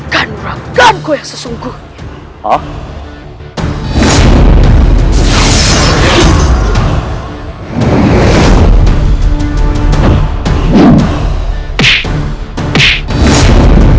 ganrakan kau yang sesungguhnya